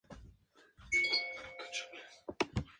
Kevin Michael Manning que renunció por motivos de edad.